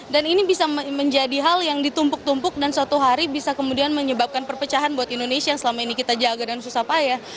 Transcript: dan ini bisa menjadi hal yang ditumpuk tumpuk dan suatu hari bisa kemudian menyebabkan perpecahan buat indonesia yang selama ini kita jaga dan susah payah